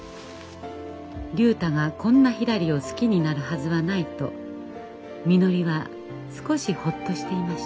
竜太がこんなひらりを好きになるはずはないとみのりは少しホッとしていました。